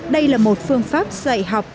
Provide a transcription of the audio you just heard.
đây là một phương pháp dạy học